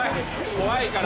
怖いから。